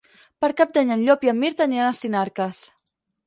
Per Cap d'Any en Llop i en Mirt aniran a Sinarques.